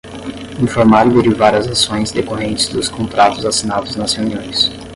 Informar e derivar as ações decorrentes dos contratos assinados nas reuniões.